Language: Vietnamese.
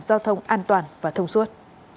giao thông an toàn và thông suốt